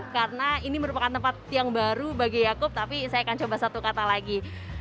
karena ini merupakan tempat yang baru bagi yaakub tapi saya akan coba satu kata lagi